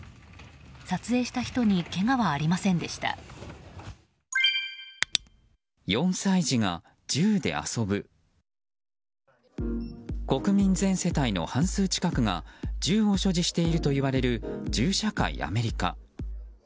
撮影した人に国民全世帯の半数近くが銃を所持しているといわれる銃社会、アメリカ。